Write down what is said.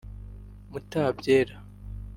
mutabyera